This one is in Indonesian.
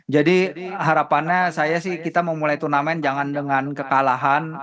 jadi harapannya saya sih kita memulai turnamen jangan dengan kekalahan